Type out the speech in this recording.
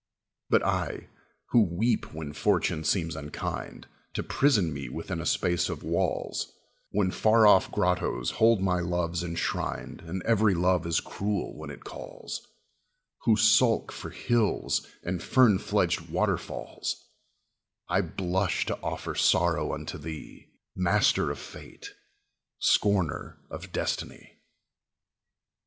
But I, who weep when fortune seems unkind To prison me within a space of walls, When far off grottoes hold my loves enshrined And every love is cruel when it calls; Who sulk for hills and fern fledged waterfalls, I blush to offer sorrow unto thee, Master of fate, scorner of destiny!